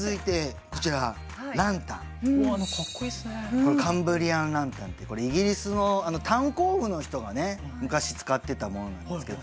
これカンブリアンランタンってこれイギリスの炭鉱夫の人がね昔使ってたものなんですけど。